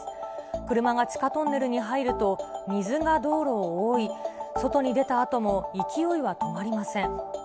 車が地下トンネルに入ると、水が道路を覆い、外に出たあとも勢いは止まりません。